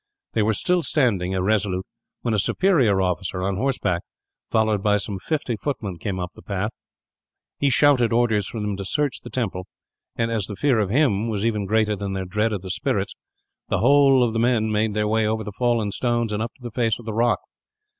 They were still standing, irresolute, when a superior officer on horseback, followed by some fifty footmen, came up the path. He shouted orders for them to search the temple and, as the fear of him was even greater than their dread of the spirits, the whole of the men made their way over the fallen stones, and up to the face of the rock.